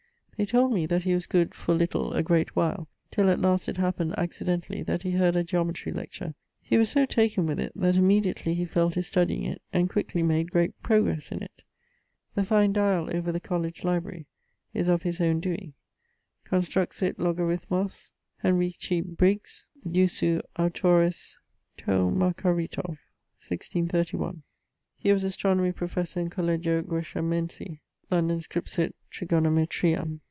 They told me that he was good for little a great while, till at last it happened accidentally, that he heard a Geometrie lecture. He was so taken with it, that immediately he fell to studying it, and quickly made great progresse in it. The fine diall over the Colledge Library is of his owne doeing. Construxit Logarithmos Henrici Briggs, jussu Autoris τοῦ μακαρίτου, 1631. He was Astronomy Professor in Collegio Greshamensi, Lond. Scripsit Trigonometriam.